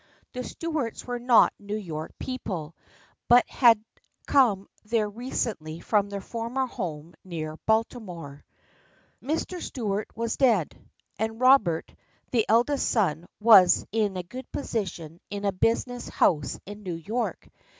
The Stuarts were not New York people, but had come there recently from their former home near Baltimore. Mr. Stuart was dead, and Robert, the eldest son, was in a good position in a business house in New York.